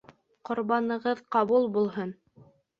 Ҡорбанығыҙ ҡабул булһын!